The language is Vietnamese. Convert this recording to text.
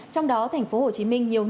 trong đó thành phố hồ chí minh nhiều nhiễm